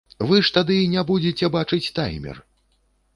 Вы ж тады не будзеце бачыць таймер!